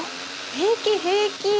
平気平気。